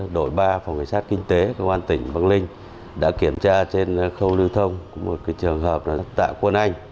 đội ba phòng cảnh sát kinh tế công an tỉnh bắc ninh đã kiểm tra trên khâu lưu thông một trường hợp tại quân anh